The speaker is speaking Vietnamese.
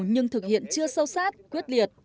nhưng thực hiện chưa sâu sát quyết liệt